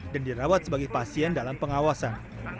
dan dirawat sebagai pasien dalam pengawasan